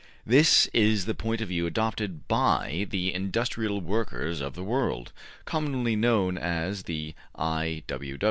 This is the point of view adopted by the ``Industrial Workers of the World,'' commonly known as the I.